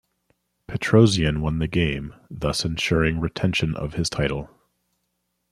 Petrosian won the game, thus ensuring retention of his title.